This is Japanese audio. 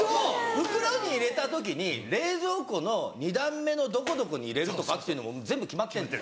袋に入れた時に冷蔵庫の２段目のどこどこに入れるとかってもう全部決まってんです。